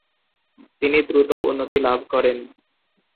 তিনি দ্রুত উন্নতি লাভ করেন।